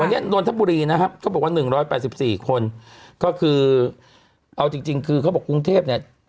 วันนี้โนลต๊ะปุลีนะครับก็บอกว่า๑๗๔คนก็คือเอาจริงคือกรุงเทพเนี่ย